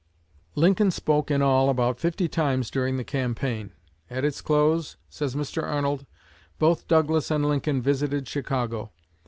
Lincoln spoke in all about fifty times during the campaign. At its close, says Mr. Arnold, "both Douglas and Lincoln visited Chicago.